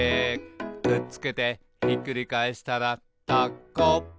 「くっつけてひっくり返したらタコ」